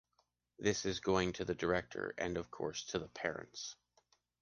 This is going to the director and of course to the parents.